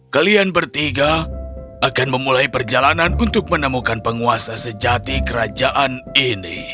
kalian bertiga akan memulai perjalanan untuk menemukan penguasa sejati kerajaan ini